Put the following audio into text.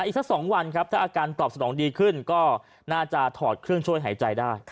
อีกสัก๒วันครับถ้าอาการตอบสนองดีขึ้นก็น่าจะถอดเครื่องช่วยหายใจได้